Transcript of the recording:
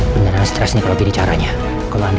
beneran stress nih kalau jadi caranya kalau